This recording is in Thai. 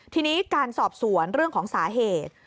ทีนี้การสอบสวนเรื่องของสาเหตุ